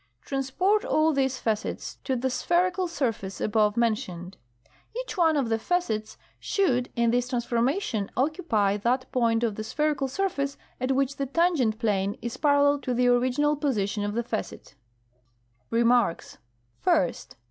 Transport all these facets to the spherical surface above mentioned. Hach one of the facets should in this transformation occupy that point of the spherical surface at which the tangent plane is parallel to the original position of the facet. REMARKS. First.